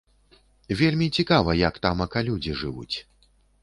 Вельмі цікава, як тамака людзі жывуць.